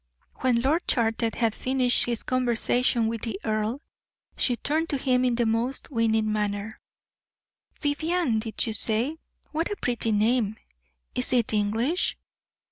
When Lord Charter had finished his conversation with the earl, she turned to him in the most winning manner. "Vivianne, did you say? What a pretty name! Is it English?"